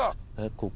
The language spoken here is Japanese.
ここ？